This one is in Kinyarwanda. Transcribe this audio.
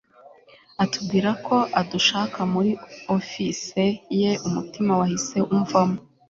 atubwirako adushaka muri office ye umutima wahise umvamo